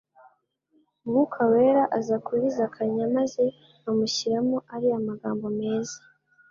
Umwuka wera aza kuri Zakanya maze amushyiramo ariya magambo meza